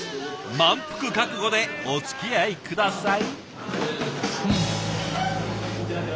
満腹覚悟でおつきあい下さい。